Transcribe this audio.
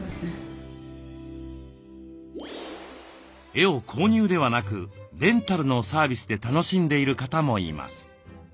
絵を購入ではなくレンタルのサービスで楽しんでいる方もいます。